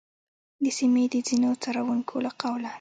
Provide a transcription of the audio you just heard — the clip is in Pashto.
د سیمې د ځینو څارونکو له قوله،